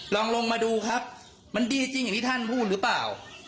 ลองลงมาดูครับมันดีจริงอย่างที่ท่านพูดหรือเปล่า